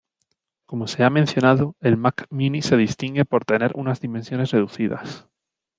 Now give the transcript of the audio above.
Como se ha mencionado, el Mac Mini se distingue por tener unas dimensiones reducidas.